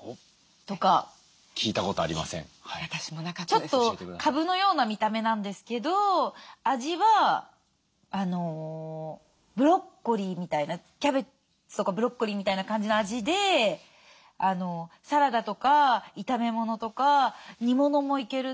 ちょっとカブのような見た目なんですけど味はブロッコリーみたいなキャベツとかブロッコリーみたいな感じの味でサラダとか炒め物とか煮物もいける。